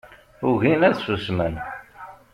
Ugin ad susmen